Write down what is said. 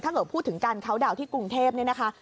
ถ้าเกิดพูดถึงการเคาน์ดาวนที่กรุงเทพเนี่ยนะคะ